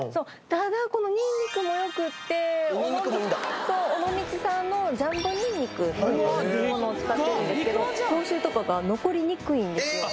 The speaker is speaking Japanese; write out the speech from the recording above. ただこのニンニクもいいんだそう尾道産のジャンボニンニクっていうものを使ってるんですけど口臭とかが残りにくいんですよへえ